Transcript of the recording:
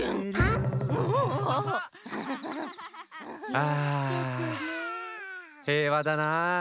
ああへいわだなあ。